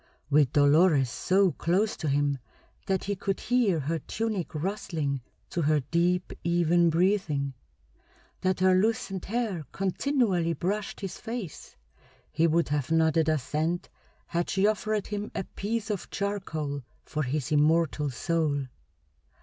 With Dolores so close to him that he could hear her tunic rustling to her deep, even breathing, that her loosened hair continually brushed his face, he would have nodded assent had she offered him a piece of charcoal for his immortal soul.